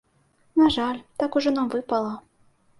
На жаль, так ужо нам выпала.